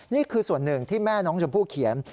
นี่คือส่วนหนึ่งที่แม่น้องชมพู่เขียน